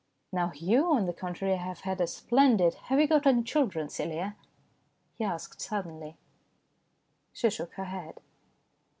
Now you, on the contrary, have had a splendid "" Have you got any children, Celia ?" he asked suddenly. She shook her head.